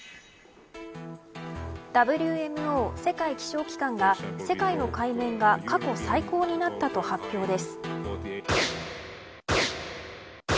ＷＭＯ世界気象機関が世界の海面が過去最高になったと発表です。